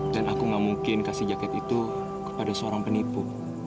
dan aku nggak mungkin kasih jaket itu kepada seorang penipu